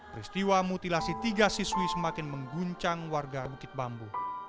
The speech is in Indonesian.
peristiwa mutilasi tiga siswi semakin mengguncang warga bukit bambu